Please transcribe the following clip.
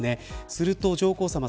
すると上皇さま